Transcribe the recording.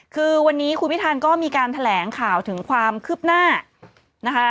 คือวันนี้คุณพิธานก็มีการแถลงข่าวถึงความคืบหน้านะคะ